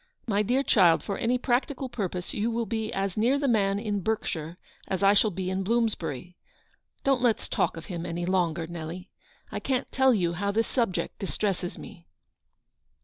My clear child, for any practical purpose you will be as near the man in Berkshire as I shall be in Blooinsbury. Don't let's talk of him any longer, Nelly. I can't tell you how this subject distresses me."